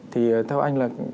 thì theo anh là